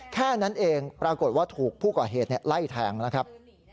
แค่นั้นเองปรากฏว่าถูกผู้ก่อเหตุไล่แทงนะครับ